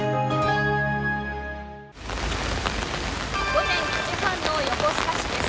午前９時半の横須賀市です。